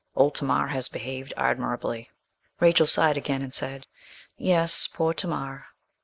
Old Tamar has behaved admirably.' Rachel sighed again and said 'Yes poor Tamar.'